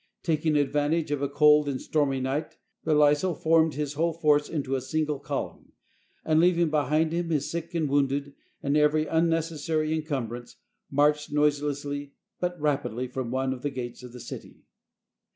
Taking advantage of a cold and stormy night, Belleislc formed his whole force into a single col umn, and, leaving behind him his sick and wounded, and every unnecessary encumbrance, marched noise lessly but rapidly from one of the gates of the city.